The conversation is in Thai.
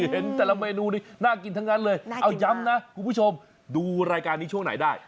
เหี่ยวสิ